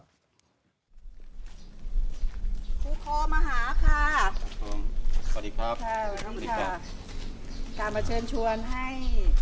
ครูคอมาหาค่ะสวัสดีครับสวัสดีครับการมาเชิญชวนให้